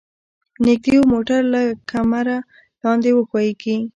نږدې و موټر له کمره لاندې وښویيږي.